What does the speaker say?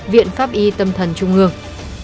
viện pháp y tâm thần trung ương